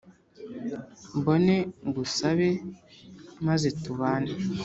mbone ngusange maze tubane